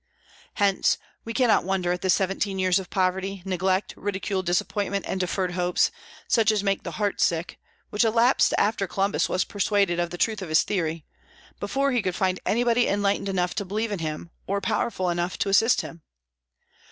Hence we cannot wonder at the seventeen years of poverty, neglect, ridicule, disappointment, and deferred hopes, such as make the heart sick, which elapsed after Columbus was persuaded of the truth of his theory, before he could find anybody enlightened enough to believe in him, or powerful enough to assist him.